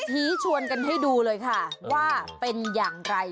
ชี้ชวนกันให้ดูเลยค่ะว่าเป็นอย่างไร